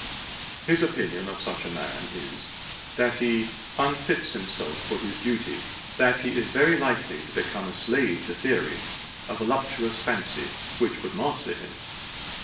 His opinion of such a man is, that he unfits himself for his duty, that he is very likely to become a slave to theory a voluptuous fancy, which would master him.